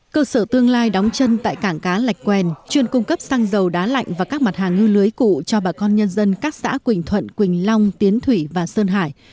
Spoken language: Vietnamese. cơ sở tương lai đóng chân tại cảng cá lạch quen chuyên cung cấp xăng dầu đá lạnh và các mặt hàng ngư lưới cụ cho bà con nhân dân các xã quỳnh thuận quỳnh long tiến thủy và sơn hải